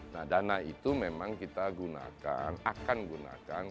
nah dana itu memang kita gunakan akan gunakan